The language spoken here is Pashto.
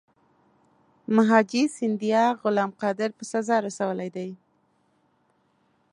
مهاجي سیندیا غلام قادر په سزا رسولی دی.